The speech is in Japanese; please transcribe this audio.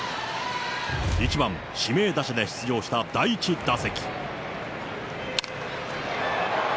１番指名打者で出場した第１打席。